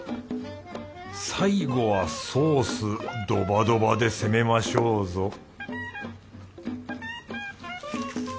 最後はソースドバドバで攻めましょうぞ